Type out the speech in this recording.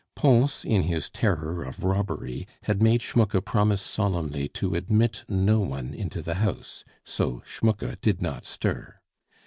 Pons, in his terror of robbery, had made Schmucke promise solemnly to admit no one into the house; so Schmucke did not stir.